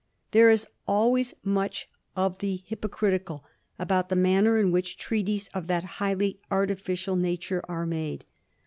There is always much of the hypo critical about the manner in which treaties of that highly artificial nature are made.